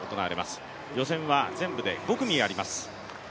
予選は全部で５組あります。